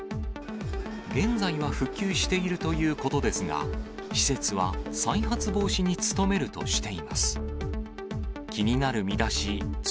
現在は復旧しているということですが、施設は再発防止に努めるとしています。